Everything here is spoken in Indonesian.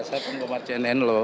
saya pengguna cnn loh